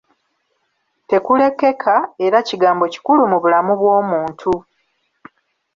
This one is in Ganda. Tekulekeka, era kigambo kikulu mu bulamu bw'omuntu.